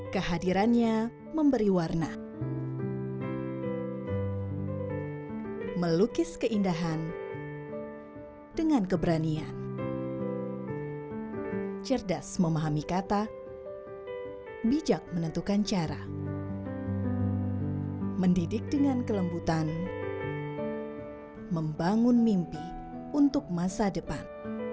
kehadirannya memberi warna melukis keindahan dengan keberanian cerdas memahami kata bijak menentukan cara mendidik dengan kelembutan membangun mimpi untuk masa depan